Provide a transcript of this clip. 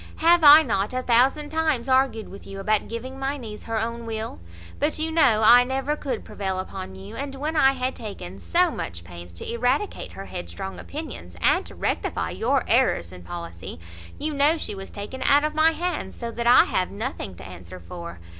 Have I not a thousand times argued with you about giving my niece her own will? But you know I never could prevail upon you; and when I had taken so much pains to eradicate her headstrong opinions, and to rectify your errors in policy, you know she was taken out of my hands; so that I have nothing to answer for.